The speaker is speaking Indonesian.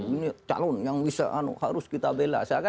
ini calon yang harus kita bela